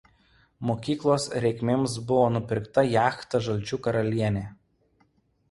Mokyklos reikmėms buvo nupirkta jachta „Žalčių karalienė“.